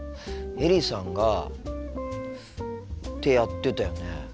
エリさんがってやってたよね。